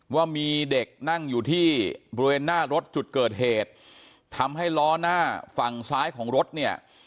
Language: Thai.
ว่ามีเด็กนั่งอยู่ที่บริเวณหน้ารถจุดเกิดเหตุทำให้ล้อหน้าฝั่งซ้ายของรถเนี่ย